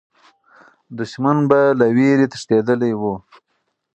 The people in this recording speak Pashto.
دښمن به له ویرې تښتېدلی وو.